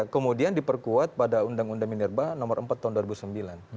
kemudian diperkuat pada undang undang minerba nomor empat tahun dua ribu sembilan